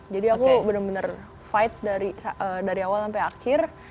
jadi aku bener bener fight dari awal sampai akhir